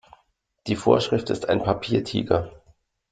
Die Vorschrift ist ein Papiertiger.